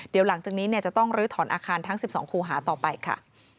เดี๋ยวหลังจากนี้จะต้องลื้อถอนอาคารทั้ง๑๒คูหาต่อไปค่ะ